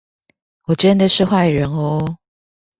我真的是壞人喔